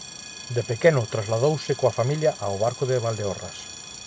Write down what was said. De pequeno trasladouse coa familia ao Barco de Valdeorras.